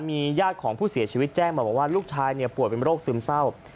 มีญาติของผู้เสียชีวิตแจ้งมาบอกว่าลูกชายป่วยเป็นโรคซึมเศร้า